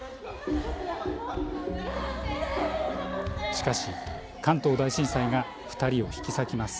しかし、関東大震災が２人を引き裂きます。